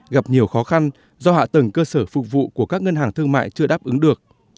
gặp nhiều khó khăn do hạ tầng cơ sở phục vụ của các ngân hàng thương mại chưa đáp ứng được